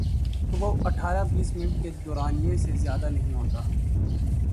تو وہ اٹھارہ بیس منٹ کے دورانیے سے زیادہ نہیں ہوتا۔